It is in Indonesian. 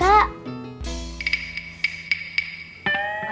gak ada yang liat